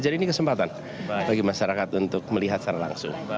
ini kesempatan bagi masyarakat untuk melihat secara langsung